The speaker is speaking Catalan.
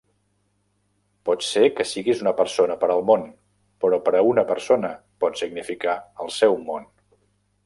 Pot ser que siguis una persona per al món, però per a una persona, pots significar el seu món.